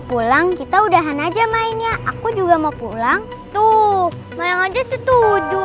pulang kita udahan aja mainnya aku juga mau pulang tuh mayang aja setuju